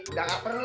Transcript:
udah nggak perlu be